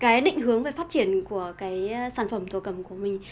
cái định hướng về phát triển của cái sản phẩm thổ cầm của mình